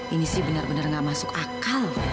ini sih benar benar gak masuk akal